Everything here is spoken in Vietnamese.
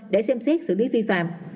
để xem xét sự lý phi phạm